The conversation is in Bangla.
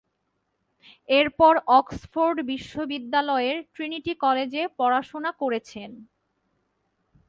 এরপর অক্সফোর্ড বিশ্ববিদ্যালয়ের ট্রিনিটি কলেজে পড়াশোনা করেছেন।